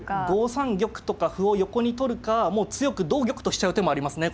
５三玉とか歩を横に取るかもう強く同玉としちゃう手もありますね。